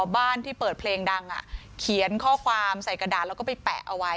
บ้านที่เปิดเพลงดังเขียนข้อความใส่กระดาษแล้วก็ไปแปะเอาไว้